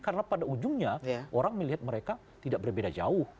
karena pada ujungnya orang melihat mereka tidak berbeda jauh